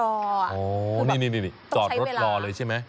โอ้โหนี่จอดรถรอเลยใช่ไหม